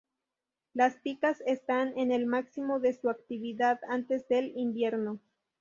Las picas están en el máximo de su actividad antes del invierno.